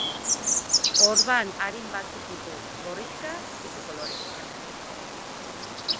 Orban arin batzuk ditu, gorrixka bizi kolorekoak.